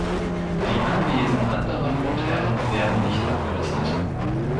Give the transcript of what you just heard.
Die Anwesen anderer Grundherren werden nicht aufgelistet.